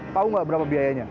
tahu nggak berapa biayanya